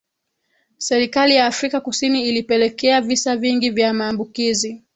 serikali ya afrika kusini ilipelekea visa vingi vya maambukizi